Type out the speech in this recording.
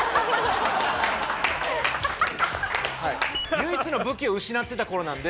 唯一の武器を失ってた頃なんで